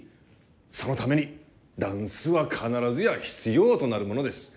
そのためにダンスは必ずや必要となるものです。